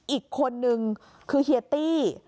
อีกคนนึงคือเฮียตี้